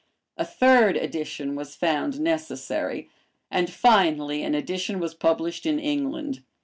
A third edition was found necessary, and finally an edition was published in England.